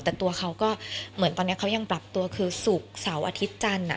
แต่ตัวเขาก็เหมือนตอนนี้เขายังปรับตัวคือศุกร์เสาร์อาทิตย์จันทร์